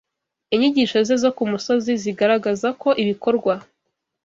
Inyigisho ze zo ku musozi zigaragaza ko ibikorwa